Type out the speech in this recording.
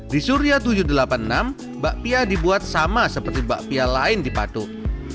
di suria tujuh ratus delapan puluh enam bakpia dibuat sama seperti bakpia lain di patung